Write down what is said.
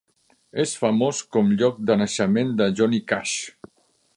És famós com lloc de naixement de Johnny Cash.